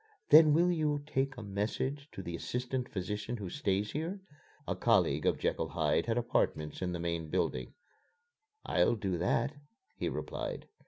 "Then will you take a message to the assistant physician who stays here?" (A colleague of Jekyll Hyde had apartments in the main building.) "I'll do that," he replied.